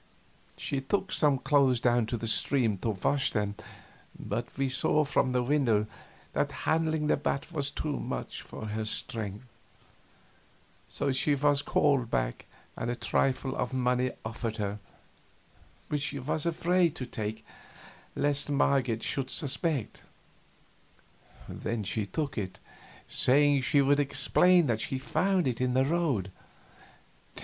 She took some clothes down to the stream to wash them, but we saw from the window that handling the bat was too much for her strength; so she was called back and a trifle of money offered her, which she was afraid to take lest Marget should suspect; then she took it, saying she would explain that she found it in the road.